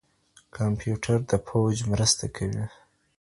کمپيوټر د پوج مرسته کوي.